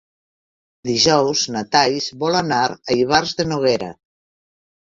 Dijous na Thaís vol anar a Ivars de Noguera.